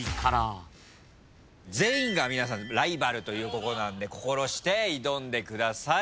全員が皆さんライバルということなんで心して挑んでください。